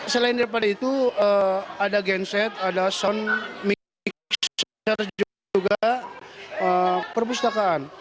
selain daripada itu ada genset ada sound mixer juga perpustakaan